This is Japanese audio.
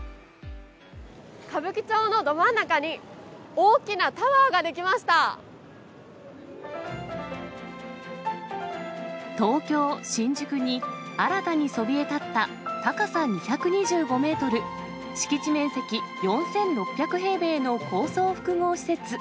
歌舞伎町のど真ん中に、東京・新宿に、新たにそびえ立った高さ２２５メートル、敷地面積４６００平米の高層複合施設。